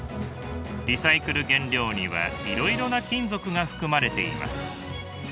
リサイクル原料にはいろいろな金属が含まれています。